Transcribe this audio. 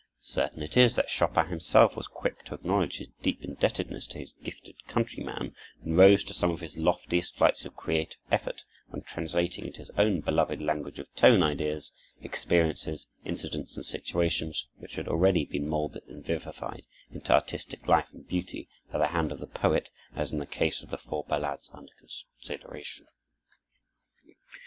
Certain it is that Chopin himself was quick to acknowledge his deep indebtedness to his gifted countryman, and rose to some of his loftiest flights of creative effort when translating into his own beloved language of tone ideas, experiences, incidents, and situations which had already been molded and vivified into artistic life and beauty by the hand of the poet, as in the case of the four ballades under consideration.